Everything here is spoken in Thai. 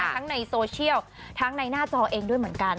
ทั้งในโซเชียลทั้งในหน้าจอเองด้วยเหมือนกัน